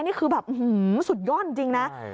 นี่คือแบบอื้อหือสุดยอดจริงนะ